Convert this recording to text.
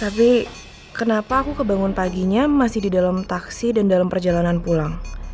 tapi kenapa aku kebangun paginya masih di dalam taksi dan dalam perjalanan pulang